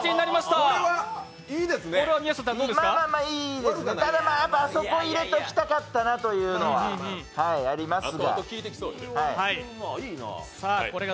ただ、あそこ入れときたかったなというのはありますが。